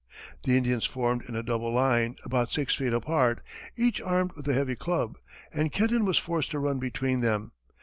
The Indians formed in a double line, about six feet apart, each armed with a heavy club, and Kenton was forced to run between them.